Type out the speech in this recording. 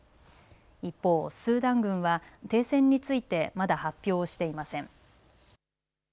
一方、スーダン軍は停戦についてまだ発表していません。